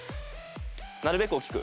なるべく大きく。